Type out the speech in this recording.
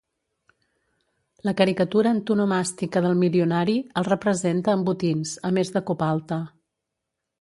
La caricatura antonomàstica del milionari el representa amb botins, a més de copalta.